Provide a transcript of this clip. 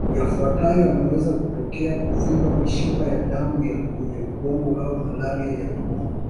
Yafuatayo yanaweza kutokea kuvimba mishipa ya damu ya kwenye ubongo au malaria ya ubongo